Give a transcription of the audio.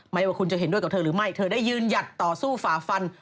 ไม่ว่าคุณจะเห็นด้วยกับเธอหรือไม่เธอได้ยืนหยัดต่อสู้ฝ่าฟัน